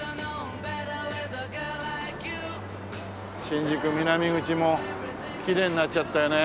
新宿南口もきれいになっちゃったよね。